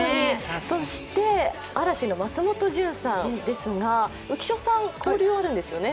そして嵐の松本潤さんなんですが、浮所さん、交流あるんですよね？